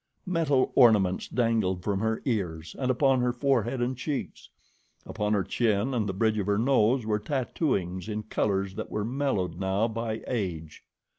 Metal ornaments dangled from her ears, and upon her forehead and cheeks; upon her chin and the bridge of her nose were tattooings in colors that were mellowed now by age.